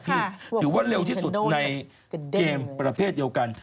ถือว่าเร็วที่สุดในเกมประเภทเดียวกัน